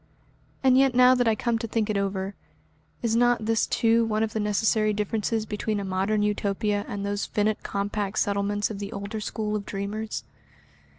And yet now that I come to think it over, is not this too one of the necessary differences between a Modern Utopia and those finite compact settlements of the older school of dreamers?